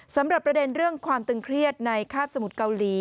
สำหรับประเด็นเรื่องความตึงเครียดในคาบสมุทรเกาหลี